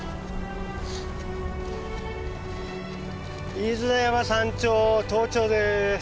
飯縄山山頂登頂です。